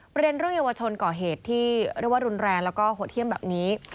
เรื่องเยาวชนก่อเหตุที่เรียกว่ารุนแรงแล้วก็โหดเยี่ยมแบบนี้